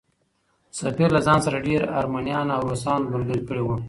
سفیر له ځان سره ډېر ارمنیان او روسان ملګري کړي وو.